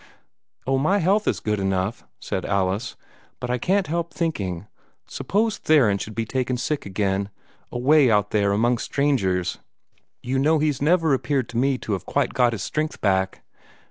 "Oh, my health is good enough," said Alice; "but I can't help thinking, suppose Theron should be taken sick again, away out there among strangers. You know he's never appeared to me to have quite got his strength back.